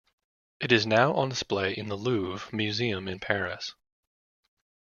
It is now on display in the Louvre museum in Paris.